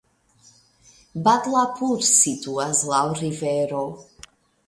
Badlapur situas laŭ rivero.